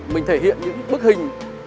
mình thể hiện những bức hình